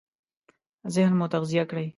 ذهن مو تغذيه کړئ!